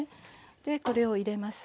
でこれを入れます。